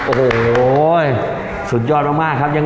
โอ้โหสุดยอดมากครับ